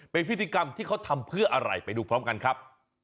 เป็นพิธีกรรมที่เขาทำเพื่ออะไรไปดูพร้อมกันครับ